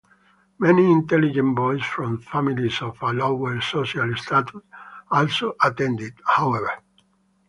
Many intelligent boys from families of a lower social status also attended, however.